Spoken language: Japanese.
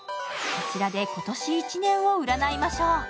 こちらで今年一年を占いましょう。